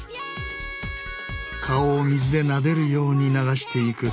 顔を水でなでるように流していく。